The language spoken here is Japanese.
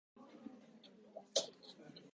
今夜の晩御飯は何ですか？